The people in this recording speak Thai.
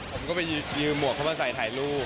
ผมก็ไปยืมหวกเข้ามาใส่ถ่ายรูป